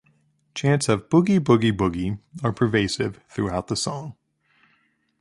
Chants of "Boogie boogie boogie" are pervasive throughout the song.